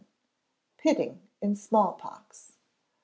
Pitting in Small Pox.